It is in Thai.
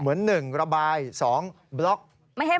เหมือนหนึ่งระบายสองบล็อกไม่ให้อ้วน